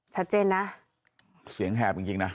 ชัดเจนนะเสียงแหบจริงนะ